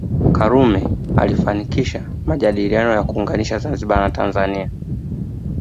Karume alifanikisha majadiliano ya kuunganisha Zanzibar na Tanganyika